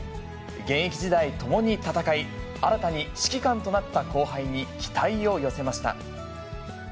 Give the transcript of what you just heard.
現役時代、共に戦い、新たに指揮官となった後輩に期待を寄せました。